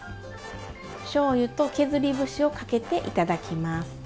しょうゆと削り節をかけて頂きます。